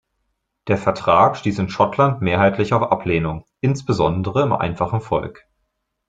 Der Vertrag stieß in Schottland mehrheitlich auf Ablehnung, insbesondere im einfachen Volk.